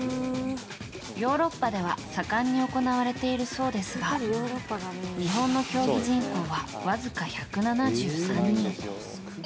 ヨーロッパでは盛んに行われているそうですが日本の競技人口はわずか１７３人。